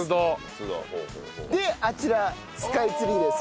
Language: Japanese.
であちらスカイツリーです